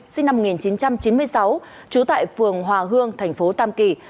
sinh năm một nghìn chín trăm chín mươi sáu trú tại phường hòa hương thành phố tam kỳ